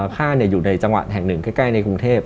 ค่ายเนี่ยอยู่ในจังหวัดแห่ง๑ใกล้ใกล้ในกรุงเทพฯ